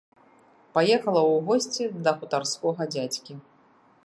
Паехала ў госці да хутарскога дзядзькі.